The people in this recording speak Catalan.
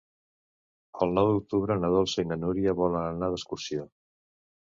El nou d'octubre na Dolça i na Núria volen anar d'excursió.